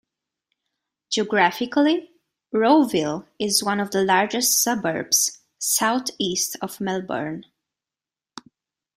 Geographically, Rowville is one of the largest suburbs south-east of Melbourne.